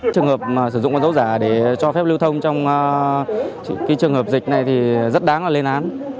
trường hợp sử dụng con dấu giả để cho phép lưu thông trong trường hợp dịch này thì rất đáng lên án